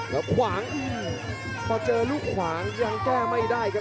แล้วขวางพอเจอลูกขวางยังแก้ไม่ได้ครับ